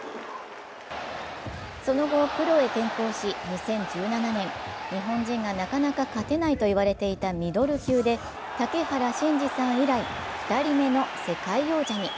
その後プロへ転向し、２０１７年、日本人がなかなか勝てないと言われていたミドル級で竹原慎二さん以来２人目の世界王者に。